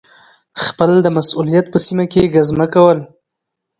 خپل د مسؤلیت په سیمه کي ګزمه کول